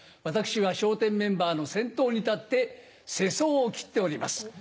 私は笑点メンバーの先頭に立って世相を斬っております。